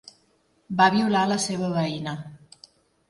Va violar la seva veïna.